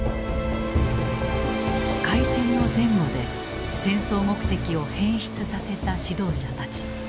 開戦の前後で戦争目的を変質させた指導者たち。